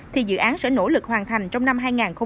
thì dự án sẽ nỗ lực hoàn thành trong năm hai nghìn một mươi chín